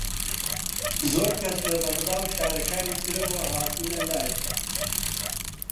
زۆر کەس لە بەغدا و شارەکانی ترەوە هاتوونە لای